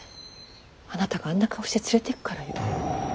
あなたがあんな顔して連れていくからよ。